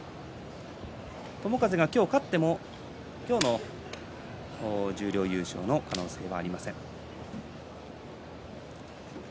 友風が今日勝っても今日の十両優勝の可能性はありません。